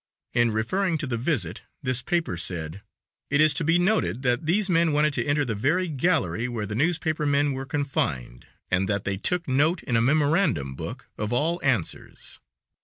In referring to the visit, this paper said: "It is to be noted that these men wanted to enter the very gallery where the newspaper men were confined, and that they took 'note in a memorandum book of all answers.'"